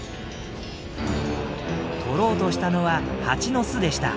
取ろうとしたのはハチの巣でした。